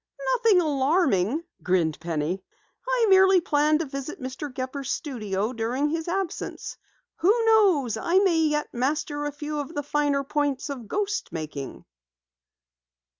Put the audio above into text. "Nothing alarming," grinned Penny. "I merely plan to visit Mr. Gepper's studio during his absence. Who knows, I may yet master a few of the finer points of ghost making!"